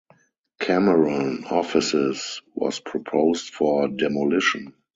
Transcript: Cameron Offices was proposed for demolition.